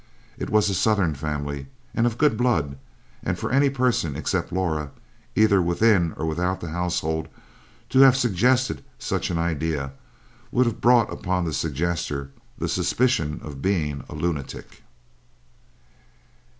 It was a southern family, and of good blood; and for any person except Laura, either within or without the household to have suggested such an idea would have brought upon the suggester the suspicion of being a lunatic.